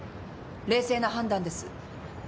冷静な判断です。